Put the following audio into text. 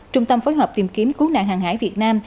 trung tâm phối hợp tìm kiếm cứu nạn hàng hải việt nam